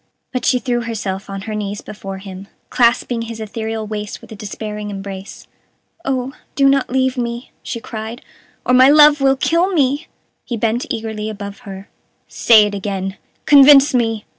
But she threw herself on her knees before him, clasping his ethereal waist with a despairing embrace. "Oh, do not leave me," she cried, "or my love will kill me!" He bent eagerly above her. "Say it again convince me!"